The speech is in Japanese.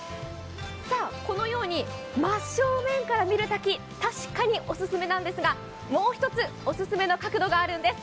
このように真っ正面から見る滝、確かにオススメなんですがもう一つ、オススメの角度があるんです。